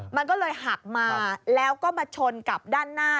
มันก็เลยหักมาแล้วก็มาชนกับด้านหน้า